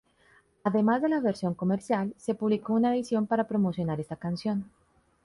Además de la versión comercial, se publicó una edición para promocionar esta canción.